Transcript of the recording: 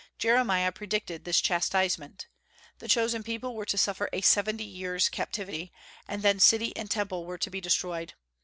Jeremiah predicted this chastisement. The chosen people were to suffer a seventy years' captivity, and then city and Temple were to be destroyed.